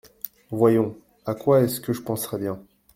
Voyons, à quoi est-ce que je penserais bien ?…